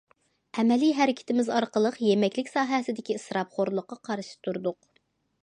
ئەمەلىي ھەرىكىتىمىز ئارقىلىق يېمەكلىك ساھەسىدىكى ئىسراپخورلۇققا قارشى تۇردۇق.